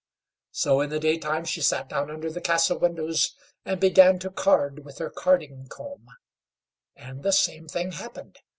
So in the daytime she sat down under the castle windows and began to card with her carding comb, and the same thing happened.